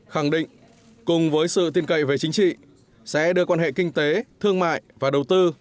khẳng định cùng với sự tin cậy về chính trị sẽ đưa quan hệ kinh tế thương mại và đầu tư